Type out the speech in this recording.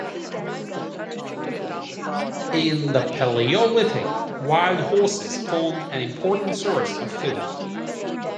In the Paleolithic, wild horses formed an important source of food.